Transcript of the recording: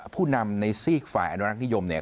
ผู้นำในซีกฝ่ายอนุรักษ์นิยมเนี่ย